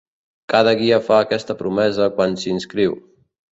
Cada guia fa aquesta promesa quan s'inscriu.